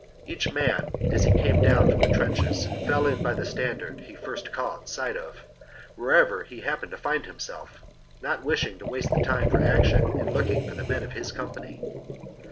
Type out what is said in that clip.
Each man, as he came down from the trenches, fell in by the standard he first caught sight of, wherever he happened to find himself, not wishing to waste the time for action in looking for the men of his company.